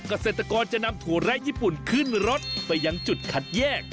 เกษตรกรจะนำถั่วไร้ญี่ปุ่นขึ้นรถไปยังจุดคัดแยก